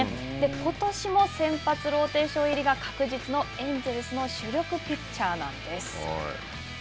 ことしも先発ローテーション入りがエンジェルスの主力ピッチャーなんです。